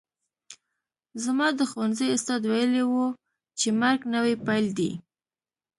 زما د ښوونځي استاد ویلي وو چې مرګ نوی پیل دی